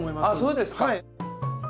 あっそうですか。